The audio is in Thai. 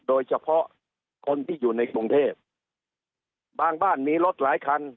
โดยเฉพาะคนที่อยู่ในกรุงเทพบางบ้านมีรถหลายคัน